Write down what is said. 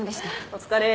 お疲れ。